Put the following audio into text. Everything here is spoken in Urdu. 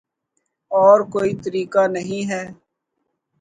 اور کوئی طریقہ نہیں ہے